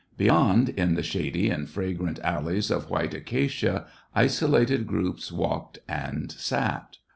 Beyond, in the shady and fragrant alleys of white acacia, isolated groups walked and sat.